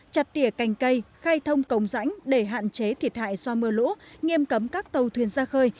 chặt tỉa cành cây khai thông cổng rãnh để hạn chế thiệt hại do mưa lũ nghiêm cấm các tàu thuyền ra khơi